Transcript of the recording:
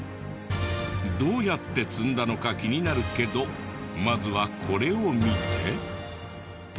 どうやって積んだのか気になるけどまずはこれを見て。